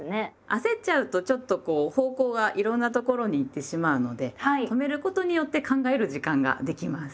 焦っちゃうとちょっと方向がいろんなところに行ってしまうので止めることによって考える時間ができます。